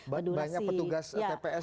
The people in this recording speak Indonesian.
banyak petugas yang berdua sih banyak petugas